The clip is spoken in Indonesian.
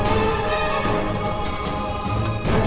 sekalian patung bukunya